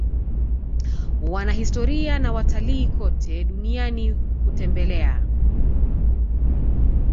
wanahistoria na watalii kote duniani hutembelea